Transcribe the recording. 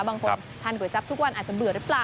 บางคนทานก๋วยจับทุกวันอาจจะเบื่อหรือเปล่า